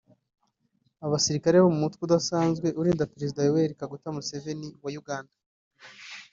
Abasirikare bo mu mutwe udasanzwe urinda Perezida Yoweri Kaguta Museveni wa Uganda